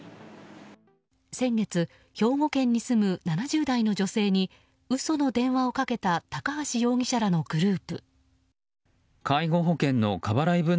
先月、兵庫県に住む７０代の女性に嘘の電話をかけた高橋容疑者らのグループ。